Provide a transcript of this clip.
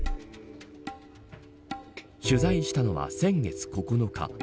取材したのは先月９日。